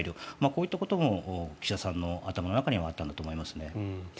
こういったことも岸田さんの頭の中にはあったんだと思いますね。